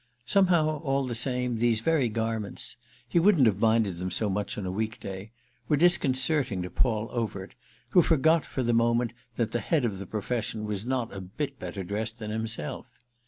Somehow, all the same, these very garments—he wouldn't have minded them so much on a weekday—were disconcerting to Paul Overt, who forgot for the moment that the head of the profession was not a bit better dressed than himself.